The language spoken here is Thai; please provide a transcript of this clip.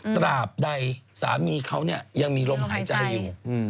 ตราบใดสามีเขายังมีลมหายใจอยู่